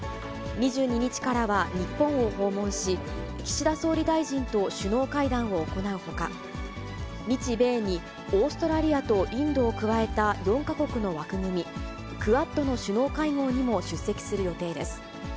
２２日からは日本を訪問し、岸田総理大臣と首脳会談を行うほか、日米にオーストラリアとインドを加えた、４か国の枠組み、クアッドの首脳会合にも出席する予定です。